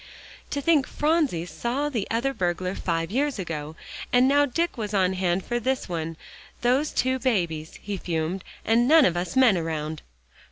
"To think Phronsie saw the other burglar five years ago, and now Dick was on hand for this one those two babies," he fumed, "and none of us men around."